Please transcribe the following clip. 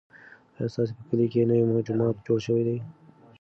ایا ستا په کلي کې نوی جومات جوړ شوی دی؟